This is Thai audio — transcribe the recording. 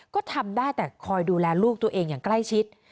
ก็ทำได้แต่คอยดูแลลูกตัวเองอย่างใกล้ชิด